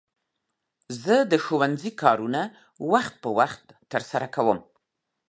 زه د ښوونځي کارونه وخت په وخت ترسره کوم.